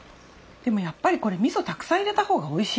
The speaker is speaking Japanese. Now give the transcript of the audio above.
でもやっぱりこれ味噌たくさん入れたほうがおいしい。